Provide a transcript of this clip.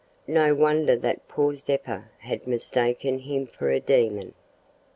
No wonder that poor Zeppa had mistaken him for a demon!